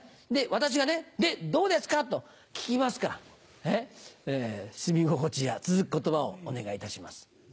私がね「でどうですか？」と聞きますから住み心地や続く言葉をお願いいたします。